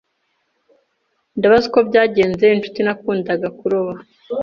Ndabaza uko byagenze inshuti nakundaga kuroba.